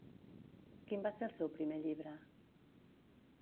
Quin va ser el seu primer llibre?